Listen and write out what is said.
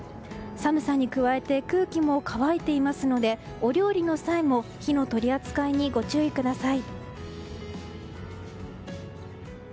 寒さに加えて空気も乾いていますのでお料理の際も火の取り扱いにご注意ください。